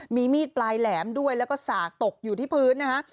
มีมีดปลายแหลมด้วยแล้วก็สากตกอยู่ที่พื้นนะฮะ